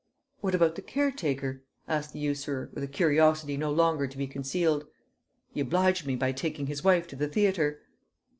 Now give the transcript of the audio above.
"What about the caretaker?" asked the usurer, with a curiosity no longer to be concealed. "He obliged me by taking his wife to the theatre."